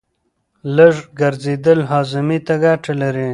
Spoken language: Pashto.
لږ ګرځېدل هاضمې ته ګټه لري.